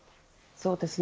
そうですね。